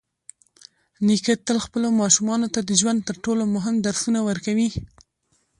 نیکه تل خپلو ماشومانو ته د ژوند تر ټولو مهم درسونه ورکوي.